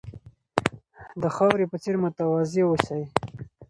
د خاورې په څېر متواضع اوسئ.